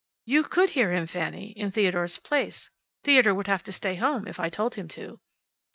"You could hear him, Fanny, in Theodore's place. Theodore would have to stay home if I told him to."